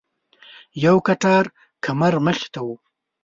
یو کټار کمر مخې ته و.